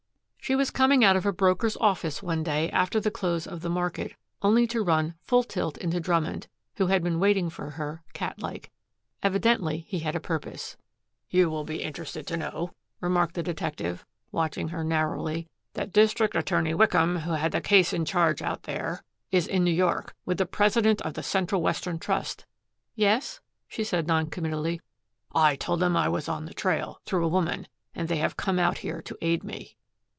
She was coming out of a broker's office one day after the close of the market, only to run full tilt into Drummond, who had been waiting for her, cat like. Evidently he had a purpose. "You will be interested to know," remarked the detective, watching her narrowly, "that District Attorney Wickham, who had the case in charge out there, is in New York, with the president of the Central Western Trust." "Yes?" she said non committally. "I told them I was on the trail, through a woman, and they have come here to aid me."